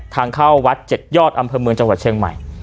ทางเข้าวัด๗ยอดอำเภอเมืองจังหวัดเชียงใหม่